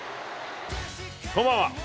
こんばんは。